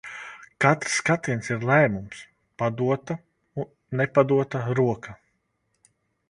Katrs skatiens ir lēmums, padota, nepadota roka.